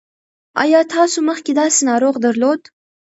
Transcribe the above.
ایا تاسو مخکې داسې ناروغ درلود؟